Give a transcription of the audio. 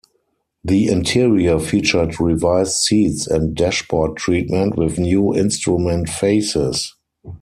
The interior featured revised seats and dashboard treatment, with new instrument faces.